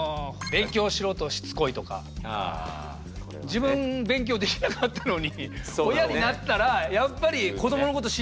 自分勉強できなかったのに親になったらやっぱり子どものこと心配だから。